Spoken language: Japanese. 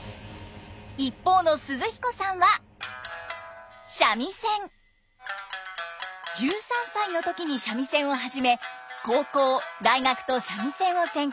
一方の寿々彦さんは１３歳の時に三味線を始め高校大学と三味線を専攻。